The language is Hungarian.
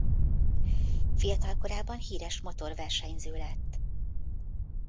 Fiatal korában híres motorversenyző lett.